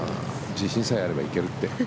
自信さえあれば行けるって。